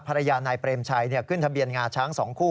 ภรรยานายเปรมชัยขึ้นทะเบียนงาช้าง๒คู่